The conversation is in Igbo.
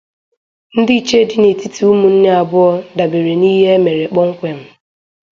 Ndịiche dị n'etiti ụmụnne abụọ dàbèèrè n'ihe e mere kpọmkwem